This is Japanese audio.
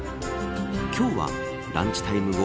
今日は、ランチタイムを